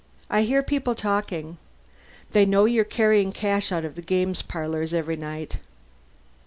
I hear people talking. They know you're carrying cash out of the game parlors every night."